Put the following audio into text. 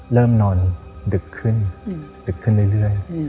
เริ่มนอนดึกขึ้นดึกขึ้นเรื่อย